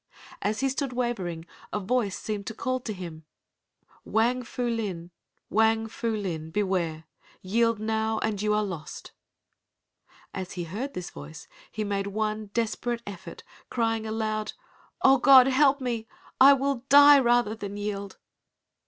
As he stood wavering a voice seemed to call to him, "Wang Fu Lin, Wang Fu Lin, beware! Yield now and you are lost." As he heard this voice he made one desperate effort, crying aloud, "Oh, God, help me. I will die rather than yield."